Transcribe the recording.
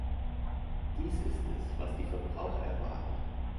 Dies ist es, was die Verbraucher erwarten.